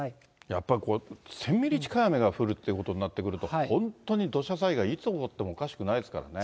やっぱり、１０００ミリ近い雨が降るということになってくると、本当に土砂災害、いつ起こってもおかしくないですからね。